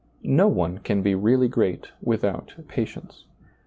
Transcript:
No one can be really great without patience.